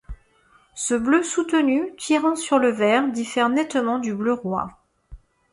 Ce bleu soutenu tirant sur le vert diffère nettement du bleu roi.